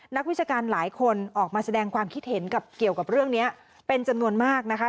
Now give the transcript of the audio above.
นักวิชาการหลายคนออกมาแสดงความคิดเห็นกับเกี่ยวกับเรื่องนี้เป็นจำนวนมากนะคะ